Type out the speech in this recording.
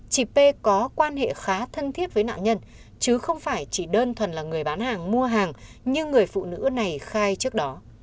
chị p có quan hệ khá thân thiết với nạn nhân chứ không phải chỉ đơn thuần là người bán hàng mua hàng như người phụ nữ này khai trước đó